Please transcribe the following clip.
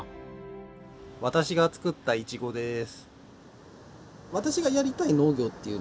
私が作ったいちごです。